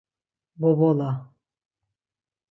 Bobola